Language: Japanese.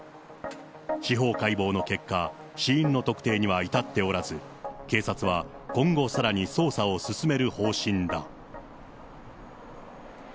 司法解剖の結果、死因の特定には至っておらず、警察は今後さらに捜査を進める方針だ。